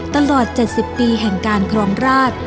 ตลอด๗๐ปีแห่งการครองราช